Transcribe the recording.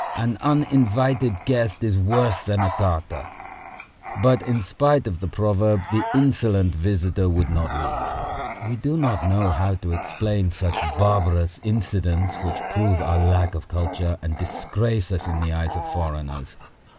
An uninvited guest is worse than a Tartar. But in spite of the proverb the insolent visitor would not leave. We do not know how to explain such barbarous incidents which prove our lack of culture and disgrace us in the eyes of foreigners.